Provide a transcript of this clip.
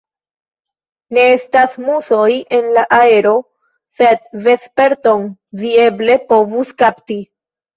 Ne estas musoj en la aero, sed vesperton vi eble povus kapti.